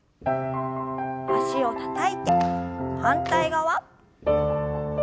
脚をたたいて反対側。